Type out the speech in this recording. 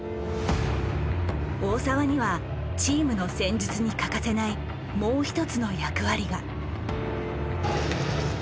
大澤にはチームの戦術に欠かせないもう一つの役割が。